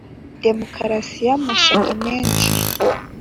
demokarasi y’amashyaka menshi.